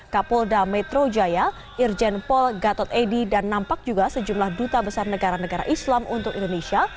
kapolda metro jaya irjen pol gatot edi dan nampak juga sejumlah duta besar negara negara islam untuk indonesia